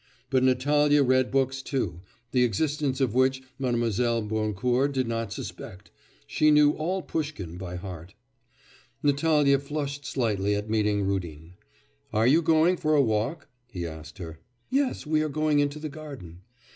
But Natalya read books too, the existence of which Mlle. Boncourt did not suspect; she knew all Pushkin by heart. Natalya flushed slightly at meeting Rudin. 'Are you going for a walk?' he asked her. 'Yes. We are going into the garden.